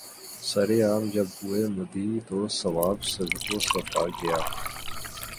سر عام جب ہوئے مدعی تو ثواب صدق و صفا گیا